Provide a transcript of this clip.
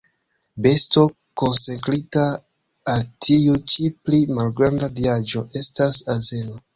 Besto konsekrita al tiu ĉi pli malgranda diaĵo estas azeno.